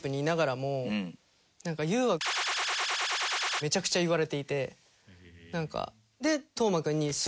めちゃくちゃ言われていて。